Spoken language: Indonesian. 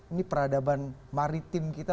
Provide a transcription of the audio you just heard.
ini peradaban maritim kita